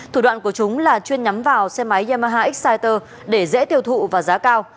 thủ đoạn của chúng là chuyên nhắm vào xe máy yamaha exciter để dễ tiêu thụ và giá cao